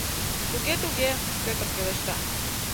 — Туге, туге, — Пӧтыр пелешта.